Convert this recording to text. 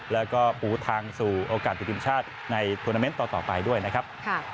แล้วก็ปูทางสู่โอกาสติดทีมชาติในทวนาเมนต์ต่อไปด้วยนะครับ